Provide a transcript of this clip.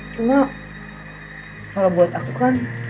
karena kalau buat aku kan